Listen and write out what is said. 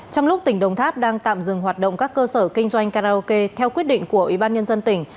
trong lúc tỉnh đồng tháp đang tạm dừng hoạt động các cơ sở kinh doanh karaoke theo quyết định của ủy ban nhân dân tỉnh